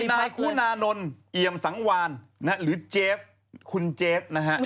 นายคุณานนท์เอี่ยมสังวานหรือเจฟคุณเจฟนะฮะ